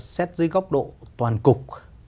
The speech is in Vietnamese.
xét dưới góc độ toàn cục